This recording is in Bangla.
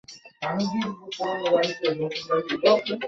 আরও একবার বোম্বে দলকে রঞ্জী ট্রফির শিরোপা বিজয়ে ভূমিকা রাখেন।